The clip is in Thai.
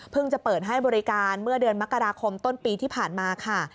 จะเปิดให้บริการเมื่อเดือนมกราคมต้นปีที่ผ่านมาค่ะ